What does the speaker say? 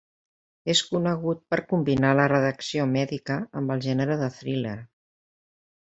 És conegut per combinar la redacció mèdica amb el gènere del thriller.